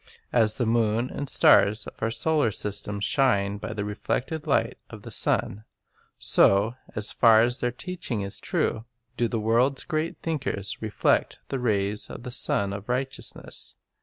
As the moon and the stars of our solar system shine by the reflected light of the sun, so, as far as their teaching is true, do the world's great thinkers reflect the rays of the Sun of Righteousness.